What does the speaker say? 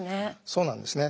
そうなんですね。